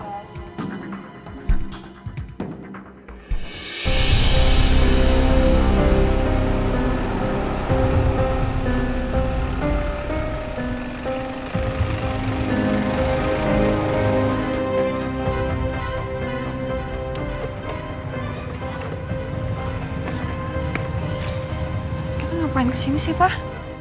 hai apaan kesini sih pak